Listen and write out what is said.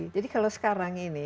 jadi kalau sekarang ini